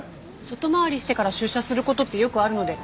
外回りしてから出社する事ってよくあるので。